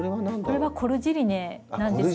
これがコルジリネなんですけど。